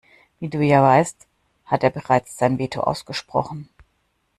Wie du ja weißt, hat er bereits sein Veto ausgesprochen.